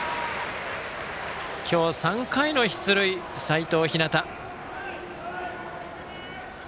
今日、３回の出塁、齋藤陽。